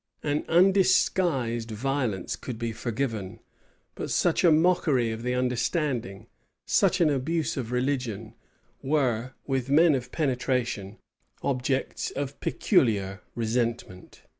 An undisguised violence could be forgiven: but such a mockery of the understanding, such an abuse of religion, were, with men of penetration, objects of peculiar resentment.